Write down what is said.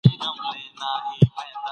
یوازې لټون کول غواړي.